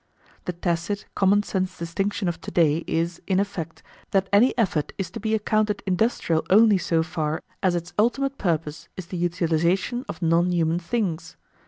The tacit, common sense distinction to day is, in effect, that any effort is to be accounted industrial only so far as its ultimate purpose is the utilisation of non human things.